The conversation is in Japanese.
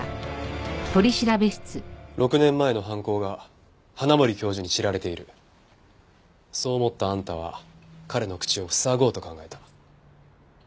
６年前の犯行が花森教授に知られているそう思ったあんたは彼の口を塞ごうと考えた。